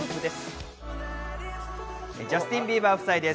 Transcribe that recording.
ジャスティン・ビーバー夫妻です。